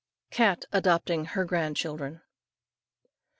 CAT ADOPTING HER GRAND CHILDREN.